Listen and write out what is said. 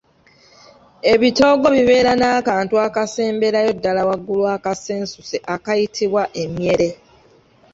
Ebitoogo bibeera n'akantu akasemberayo ddala waggulu akasensuse akayitibwa emyere.